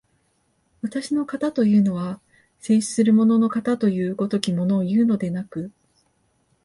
私の形というのは、静止する物の形という如きものをいうのでなく、